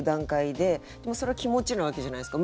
でもそれは気持ちなわけじゃないすか。